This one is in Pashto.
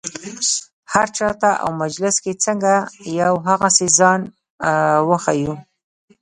هر چا ته او مجلس کې څنګه یو هغسې ځان وښیو.